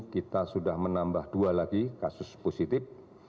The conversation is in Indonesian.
kita sudah menambah dua lagi kasus positif